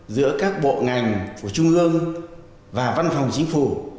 giữa các bộ ngành của trung ương và văn phòng chính phủ